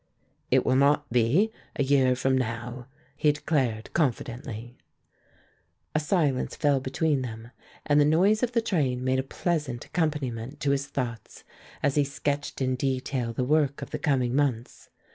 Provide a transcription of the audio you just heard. "It will not be, a year from now," he declared, confidently. A silence fell between them, and the noise of the train made a pleasant accompaniment to his thoughts as he sketched in detail the work of the coming months.